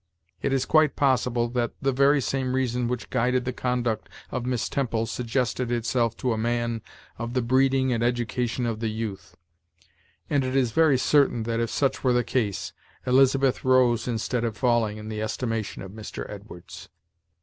It is quite possible that the very same reason which guided the conduct of Miss Temple suggested itself to a man of the breeding and education of the youth; and it is very certain that, if such were the case, Elizabeth rose instead of falling in the estimation of Mr. Edwards.